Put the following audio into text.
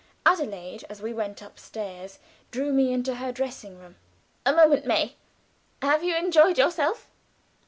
Adelaide, as we went upstairs, drew me into her dressing room. "A moment, May. Have you enjoyed yourself?"